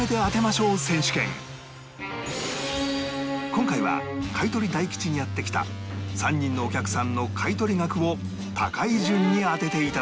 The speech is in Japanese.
今回は買取大吉にやって来た３人のお客さんの買取額を高い順に当てていただきます